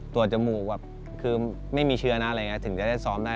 ตรวจจมูกแบบคือไม่มีเชื้อนะถึงจะได้ซ้อมได้